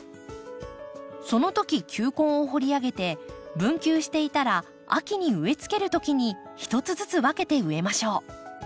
そのとき球根を掘り上げて分球していたら秋に植えつけるときに一つずつ分けて植えましょう。